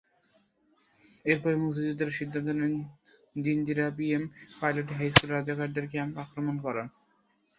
এরপরই মুক্তিযোদ্ধারা সিদ্ধান্ত নেন জিঞ্জিরা পিএম পাইলট হাইস্কুলে রাজাকারদের ক্যাম্প আক্রমণ করার।